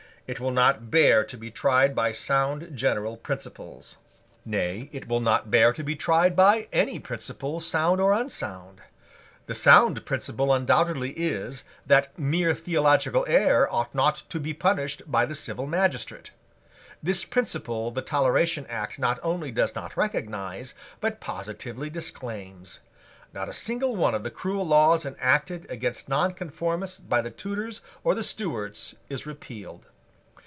It will not bear to be tried by sound general principles. Nay, it will not bear to be tried by any principle, sound or unsound. The sound principle undoubtedly is, that mere theological error ought not to be punished by the civil magistrate. This principle the Toleration Act not only does not recognise, but positively disclaims. Not a single one of the cruel laws enacted against nonconformists by the Tudors or the Stuarts is repealed.